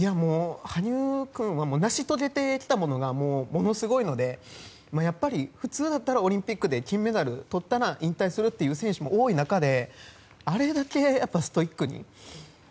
羽生君は成し遂げてきたものがものすごいので普通だったらオリンピックで金メダルとったら引退する選手も多い中であれだけストイックに。